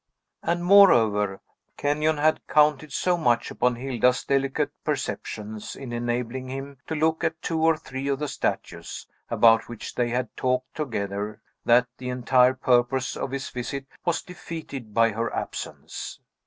And, moreover, Kenyon had counted so much upon Hilda's delicate perceptions in enabling him to look at two or three of the statues, about which they had talked together, that the entire purpose of his visit was defeated by her absence.